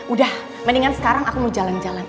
udah mendingan sekarang aku mau jalan jalan